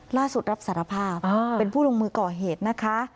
รับสารภาพเป็นผู้ลงมือก่อเหตุนะคะ